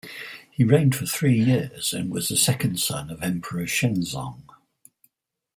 He reigned for three years and was the second son of Emperor Shenzong.